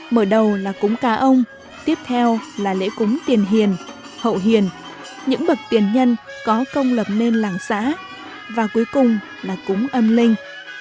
mở đầu là cúng ca ông tiếp theo là lễ cúng tiền hiền hậu hiền những bậc tiền nhân có công lập nên làng xã và cuối cùng là cúng âm linh